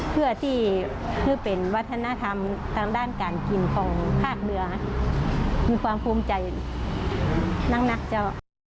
เพื่อที่เพื่อเป็นวัฒนธรรมทางด้านการกินของภาคเรือมีความภูมิใจนักเจ้า